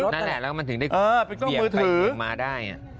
นั่นแหละอ่ะมันถึงจะเขียนมาได้